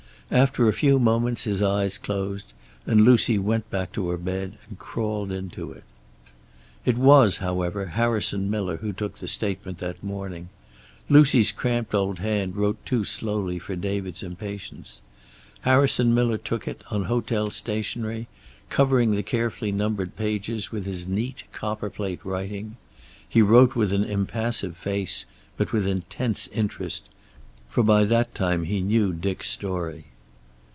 After a few moments his eyes closed, and Lucy went back to her bed and crawled into it. It was, however, Harrison Miller who took the statement that morning. Lucy's cramped old hand wrote too slowly for David's impatience. Harrison Miller took it, on hotel stationery, covering the carefully numbered pages with his neat, copper plate writing. He wrote with an impassive face, but with intense interest, for by that time he knew Dick's story.